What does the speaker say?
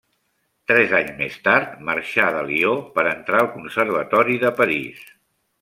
Tres anys més tard, marxà de Lió per entrar al Conservatori de París.